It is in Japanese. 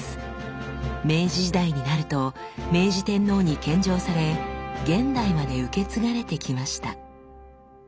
明治時代になると明治天皇に献上され現代まで受け継がれてきました。